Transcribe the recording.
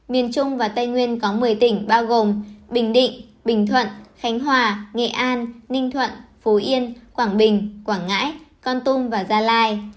miền trung và tây nguyên có một mươi tỉnh bao gồm bình định bình thuận khánh hòa nghệ an ninh thuận phú yên quảng bình quảng ngãi con tum và gia lai